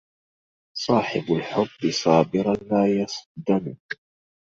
صاحب الحب صابرا لا يصدن